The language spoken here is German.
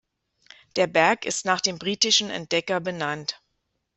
Der Berg ist nach dem britischen Entdecker benannt.